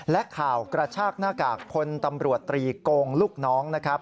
และข่าวกระชากหน้ากากพลตำรวจตรีโกงลูกน้องนะครับ